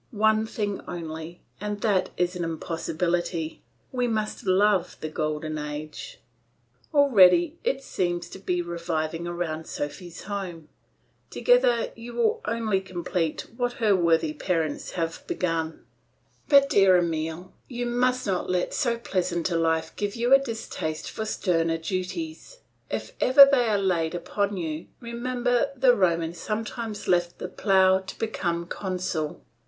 One thing only, and that is an impossibility; we must love the golden age. "Already it seems to be reviving around Sophy's home; together you will only complete what her worthy parents have begun. But, dear Emile, you must not let so pleasant a life give you a distaste for sterner duties, if every they are laid upon you; remember that the Romans sometimes left the plough to become consul.